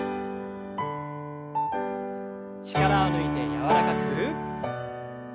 力を抜いて柔らかく。